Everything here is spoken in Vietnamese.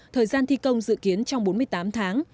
thời gian thi công dự kiến trong bốn mươi tám tháng